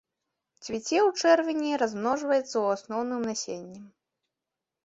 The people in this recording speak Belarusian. Цвіце ў чэрвені, размножваецца ў асноўным насеннем.